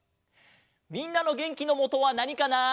みんなのげんきのもとはなにかな？